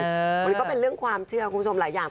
มันก็เป็นเรื่องความเชื่อคุณผู้ชมหลายอย่าง